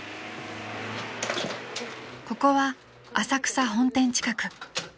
［ここは浅草本店近く］